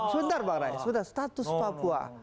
sebentar pak rai status papua